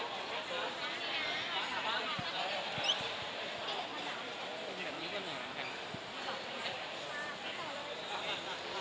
โปรดติดตามตอนต่อไป